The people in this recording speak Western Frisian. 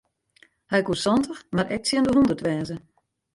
Hy koe santich mar ek tsjin de hûndert wêze.